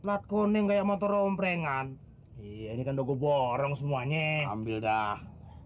berat kuning kayak motor om prengan ini kan dogo borong semuanya ambil dah